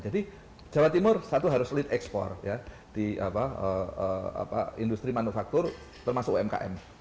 jadi jawa timur satu harus lead export ya di industri manufaktur termasuk umkm